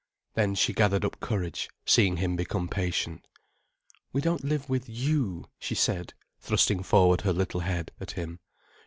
Then she gathered up courage, seeing him become patient. "We don't live with you," she said, thrusting forward her little head at him.